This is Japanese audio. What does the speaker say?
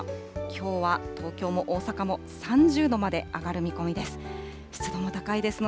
きょうは東京も大阪も３０度まで上がる見込みです。